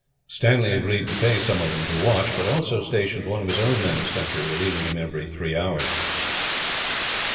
Stanley agreed to pay some of them to watch, but also stationed one of his own men as sentry, relieving him every three hours.